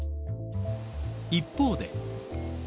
一方で。